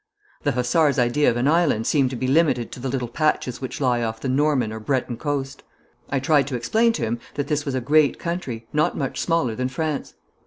The hussar's idea of an island seemed to be limited to the little patches which lie off the Norman or Breton coast. I tried to explain to him that this was a great country, not much smaller than France.